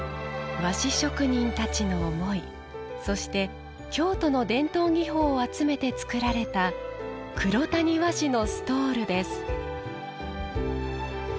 和紙職人たちの思い、そして京都の伝統技法を集めて作られた黒谷和紙のストールです。